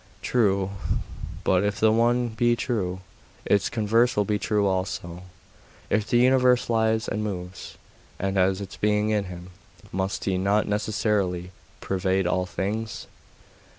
'True. But if the one be true, its converse will be true also. If the universe lives and moves, and has its being in Him, must He not necessarily pervade all things?